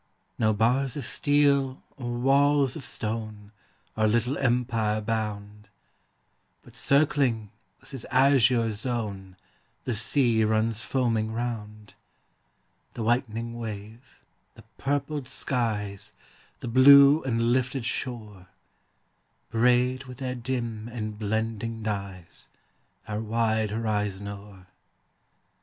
No bars of steel or walls of stone Our little empire bound, But, circling with his azure zone, The sea runs foaming round; The whitening wave, the purpled skies, The blue and lifted shore, Braid with their dim and blending dyes Our wide horizon o'er.